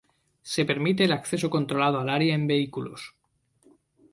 Se permite el acceso controlado al área en vehículos.